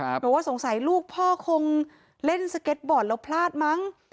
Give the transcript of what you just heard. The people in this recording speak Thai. บอกว่าสงสัยลูกพ่อคงเล่นสเก็ตบอร์ดแล้วพลาดมั้ง